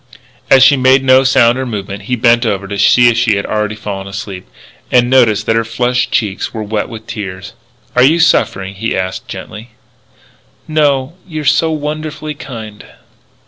As she made no sound or movement he bent over to see if she had already fallen asleep. And noticed that her flushed cheeks were wet with tears. "Are you suffering?" he asked gently. "No.... You are so wonderfully kind...."